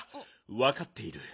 わかっている。